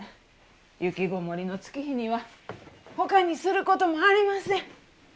雪籠もりの月日にはほかにすることもありません。